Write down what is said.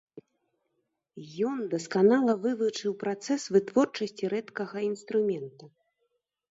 Ён дасканала вывучыў працэс вытворчасці рэдкага інструмента.